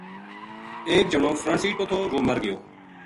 ایک جنو فرنٹ سیٹ پو تھو وہ مر گیو